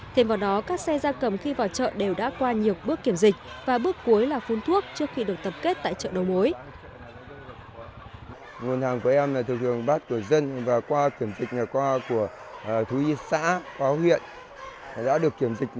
thêm vào đó các xe gia cầm khi vào chợ đều đã qua nhiều bước kiểm dịch và bước cuối là phun thuốc trước khi được tập kết tại chợ đầu mối